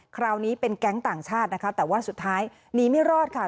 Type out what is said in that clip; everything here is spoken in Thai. คราวนี้เป็นแก๊งต่างชาตินะคะแต่ว่าสุดท้ายหนีไม่รอดค่ะ